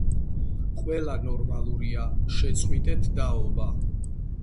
ყველა ნორმალურია შეწყვიტეთ დაობა